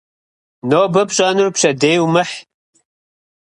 Нобэ пщӏэнур пщэдей умыхь.